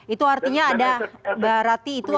itu artinya ada mbak rati itu